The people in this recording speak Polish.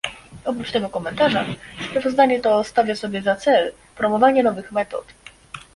Oprócz tego komentarza sprawozdanie to stawia sobie za cel promowanie nowych metod